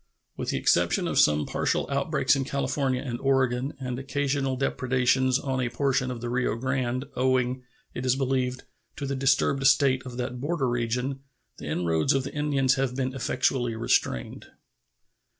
With the exception of some partial outbreaks in California and Oregon and occasional depredations on a portion of the Rio Grande, owing, it is believed, to the disturbed state of that border region, the inroads of the Indians have been effectually restrained.